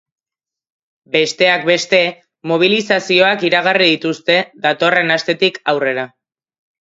Besteak beste, mobilizazioak iragarri dituzte, datorren astetik aurrera.